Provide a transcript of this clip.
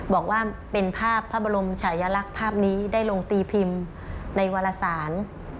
บอกว่าเป็นภาพพระบรมชายลักษณ์ภาพนี้ได้ลงตีพิมพ์ในวารสาร